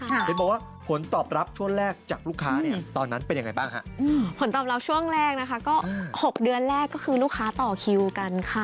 เห็นบอกว่าผลตอบรับช่วงแรกจากลูกค้าเนี่ยตอนนั้นเป็นยังไงบ้างฮะผลตอบรับช่วงแรกนะคะก็๖เดือนแรกก็คือลูกค้าต่อคิวกันค่ะ